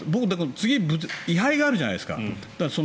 次、位牌があるじゃないですか。